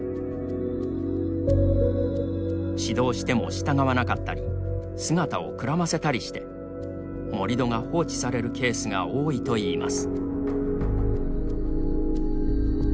指導しても従わなかったり姿をくらませたりして盛り土が放置されるケースが多いといいます。